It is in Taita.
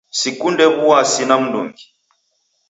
Sikunde wuasi na mndungi